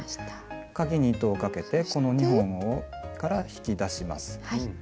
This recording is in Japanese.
かぎに糸をかけてこの２本から引き出します。